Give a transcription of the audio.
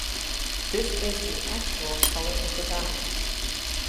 This is the actual color of the dye.